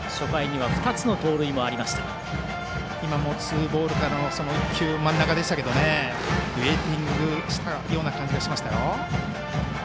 今のもツーボールから１球真ん中でしたけどウエイティングしたような感じがしましたよ。